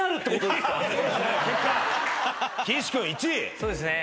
そうですね